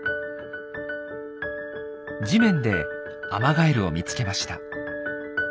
地面でアマガエルを見つけました。